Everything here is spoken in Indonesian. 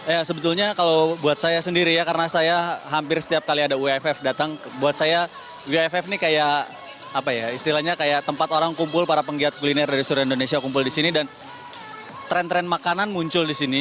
ya sebetulnya kalau buat saya sendiri ya karena saya hampir setiap kali ada uff datang buat saya wf ini kayak apa ya istilahnya kayak tempat orang kumpul para penggiat kuliner dari seluruh indonesia kumpul di sini dan tren tren makanan muncul di sini